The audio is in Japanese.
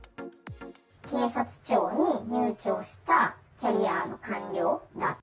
警察庁に入庁したキャリアの官僚だと。